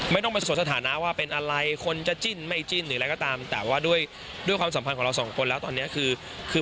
ไม่ต้องมาสดสถานะว่าเป็นอะไรคนจะจิ้นไม่จิ้นหรืออะไรก็ตามแต่ว่าด้วยด้วยความสัมพันธ์ของเราสองคนแล้วตอนนี้คือคือ